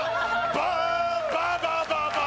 バババババーン！」